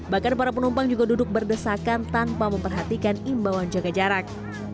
bahkan para penumpang juga duduk berdesakan tanpa memperhatikan imbauan jaga jarak